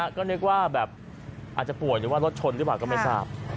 ก็นึกว่าแบบอาจจะป่วยรถชนครับก็ไม่ทราบ